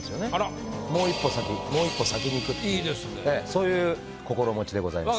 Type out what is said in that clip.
そういう心持ちでございます。